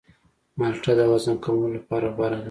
مالټه د وزن کمولو لپاره غوره ده.